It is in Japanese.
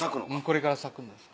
これから咲くんです。